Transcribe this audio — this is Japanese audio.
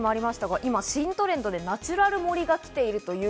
今、新トレンドでナチュラル盛りが来ているんです。